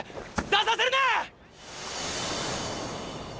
出させるな！